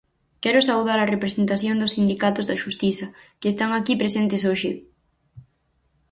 Quero saudar a representación dos sindicatos da xustiza, que están aquí presentes hoxe.